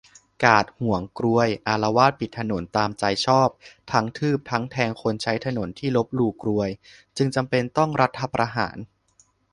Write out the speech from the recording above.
การ์ดหวงกรวยอาละวาดปิดถนนตามใจชอบ ทั้งทืบทั้งแทงคนใช้ถนนที่ลบหลู่กรวย จึงจำเป็นต้องรัฐประหาร